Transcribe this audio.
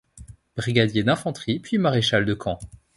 Brigadier d'infanterie puis maréchal de camp.